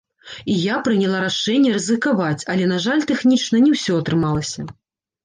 І я прыняла рашэнне рызыкаваць, але на жаль тэхнічна не ўсё атрымалася.